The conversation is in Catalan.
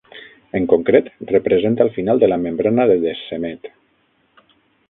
En concret, representa el final de la membrana de Descemet.